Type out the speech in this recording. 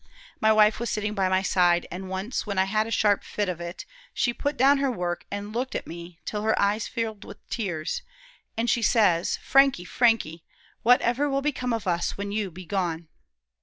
My wife was sitting by my side, an' once, when I had a sharp fit of it, she put down her work, an' looked at me till her eyes filled with tears, an' she says, 'Frankie, Frankie, whatever will become of us when you be gone?'